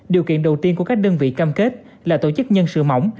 điều kiện đầu tiên của các đơn vị cam kết là tổ chức nhân sự mỏng